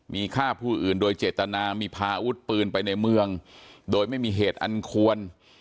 มีฆ่าผู้อื่นโดยเจตนามีพาอาวุธปืนไปในเมืองโดยไม่มีเหตุอันควร